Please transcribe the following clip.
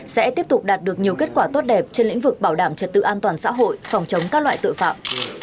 sẽ tiếp tục đạt được nhiều kết quả tốt đẹp trên lĩnh vực bảo đảm trật tự an toàn xã hội phòng chống các loại tội phạm